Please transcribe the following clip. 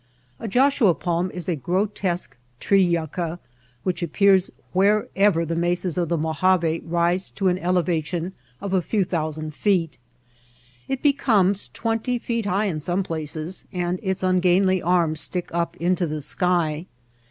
A Joshua palm is a grotesque tree yucca which appears wherever the mesas of the Mojave rise to an ele vation of a few thousand feet. It becomes tv/enty feet high in some places and its ungainly arms stick up into the sky.